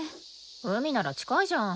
海なら近いじゃん。